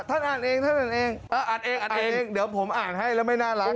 ท่านอ่านเองอ่ะอ่านเองเดี๋ยวผมอ่านให้แล้วไม่น่ารัก